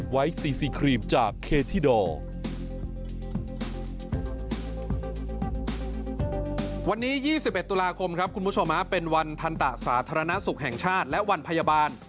วันนี้๒๑ตุลาคมครับคุณผู้ชมเป็นวันทันตะสาธารณสุขแห่งชาติและวันพยาบาล